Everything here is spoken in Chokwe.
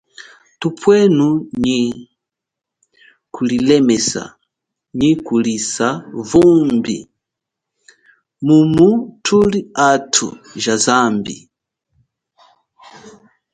Thupwenu nyi kulilemesa nyi kulisa vumbi mumu thuli athu ja zambi.